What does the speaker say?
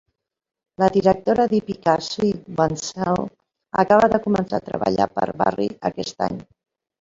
La Directora d'Hípica, Sue Wentzel, acaba de començar a treballar per Barrie aquest any.